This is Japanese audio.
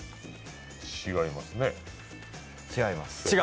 違います。